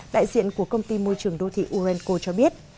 đại diện của công ty môi trường đô thị urenco cho biết